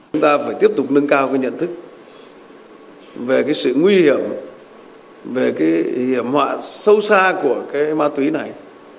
chúng ta phải tiếp tục nâng cao cái nhận thức về cái sự nguy hiểm về cái hiểm họa sâu xa của cái ma túy này